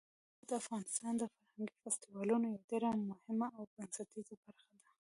کلتور د افغانستان د فرهنګي فستیوالونو یوه ډېره مهمه او بنسټیزه برخه ده.